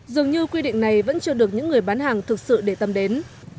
dường như quy định này vẫn chưa được những người bán hàng thực sự để tâm đến